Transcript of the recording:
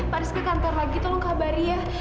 pak rizky ke kantor lagi tolong kabari ya